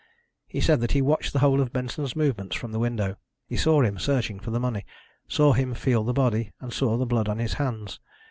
He said that he watched the whole of Benson's movements from the window. He saw him searching for the money, saw him feel the body, and saw the blood on his hands.